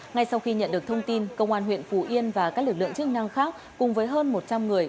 ngay sau khi nhận được thông tin công an huyện phú yên và các lực lượng chức năng khác cùng với hơn một trăm linh người